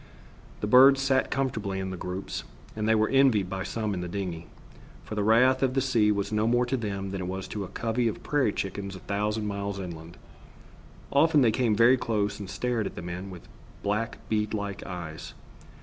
The birds sat comfortably in groups, and they were envied by some in the dingey, for the wrath of the sea was no more to them than it was to a covey of prairie chickens a thousand miles inland. Often they came very close and stared at the men with black bead like eyes.